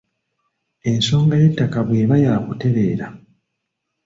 Ensonga y'ettaka bw'eba yaakutereera